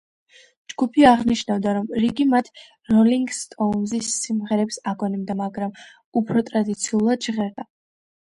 ჯგუფი აღნიშნავდა, რომ რიგი მათ როლინგ სტოუნზის სიმღერებს აგონებდა, მაგრამ „უფრო ტრადიციულად“ ჟღერდა.